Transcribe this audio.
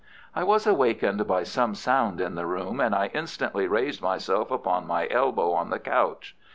I was awakened by some sound in the room, and I instantly raised myself upon my elbow on the couch.